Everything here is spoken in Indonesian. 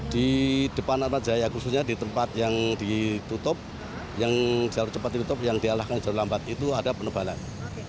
di depan atmajaya khususnya di tempat yang ditutup jalur cepat ditutup yang dialahkan jalur lambat itu ada penebalan